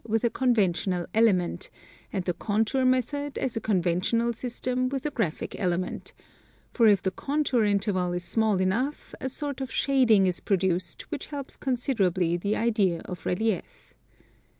with a conventional element, and the contour method as a con ventional system with a graphic element, — for if the contour interval is small enough a sort of shading is produced which helps considerably the idea of relief.